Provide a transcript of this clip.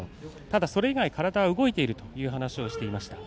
それ以外体は動いているという話をしていました。